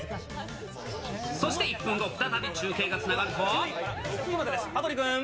そして１分後、再び中継がつなが羽鳥君。